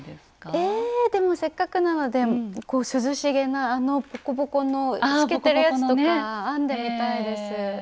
えでもせっかくなので涼しげなあのボコボコの透けてるやつとか編んでみたいです。